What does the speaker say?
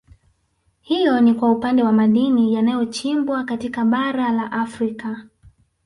Hiyo ni kwa upande wa madini yanayochimbwa katika Bara la Afrika